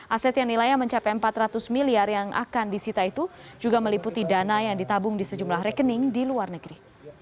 aset yang nilainya mencapai empat ratus miliar yang akan disita itu juga meliputi dana yang ditabung di sejumlah rekening di luar negeri